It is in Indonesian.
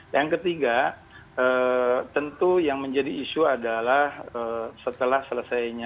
yang ketiga tentu yang menjadi isu adalah setelah selesainya